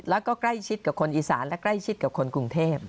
แล้วก็ใกล้ชิดกับคนอีสานและใกล้ชิดกับคนกรุงเทพ